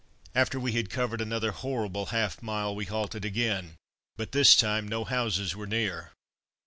After we had covered another horrible half mile we halted again, but this time no houses were near.